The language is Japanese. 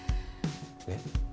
えっ？